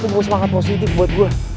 tumbuh semangat positif buat gue